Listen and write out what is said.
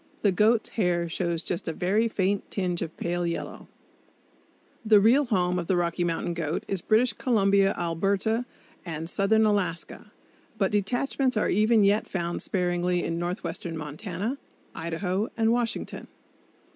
The goat's hair shows just a very faint tinge of pale yellow. [Illustration: ROCKY MOUNTAIN GOAT] The real home of the Rocky Mountain goat is British Columbia, Alberta, and Southern Alaska, but detachments are even yet found sparingly in northwestern Montana, Idaho and Washington.